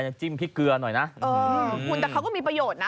มนตร์เขาก็มีประโยชน์นะ